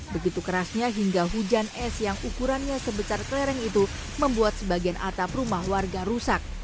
begitu kerasnya hingga hujan es yang ukurannya sebesar kelereng itu membuat sebagian atap rumah warga rusak